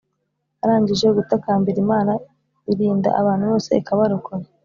arangije gutakambira imana irinda abantu bose ikabarokora,